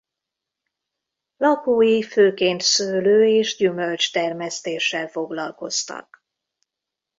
Lakói főként szőlő- és gyümölcstermesztéssel foglalkoztak.